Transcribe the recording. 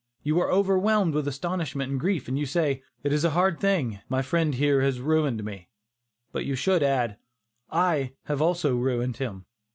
You are overwhelmed with astonishment and grief, and you say "it is a hard thing, my friend here has ruined me," but, you should add, "I have also ruined him."